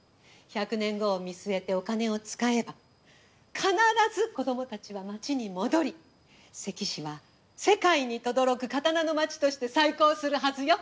１００年後を見据えてお金を使えば必ず子供たちは町に戻り関市は世界にとどろく刀の町として再興するはずよ。